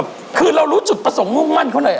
ฝัดมาฝัดกับ